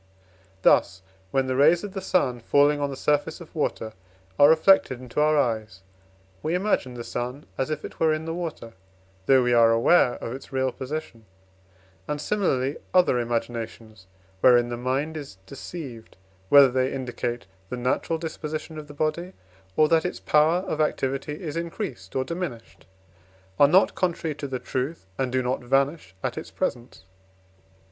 Thus, when the rays of the sun falling on the surface of water are reflected into our eyes, we imagine the sun as if it were in the water, though we are aware of its real position; and similarly other imaginations, wherein the mind is deceived, whether they indicate the natural disposition of the body, or that its power of activity is increased or diminished, are not contrary to the truth, and do not vanish at its presence.